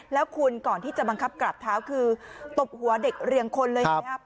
แล้วคุณก่อนที่จะบังคับกราบเท้าคือตบหัวเด็กเรียงคนเลยนะครับ